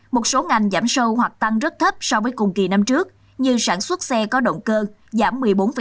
một số ngành giảm sâu hoặc tăng rất thấp so với cùng kỳ năm trước như sản xuất xe có động cơ giảm một mươi bốn năm